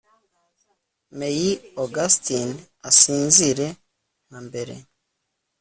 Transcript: May Augustin asinzire nka mbere